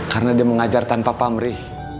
karena dia mengajar tante papa amri